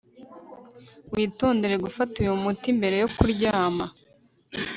Witondere gufata uyu muti mbere yo kuryama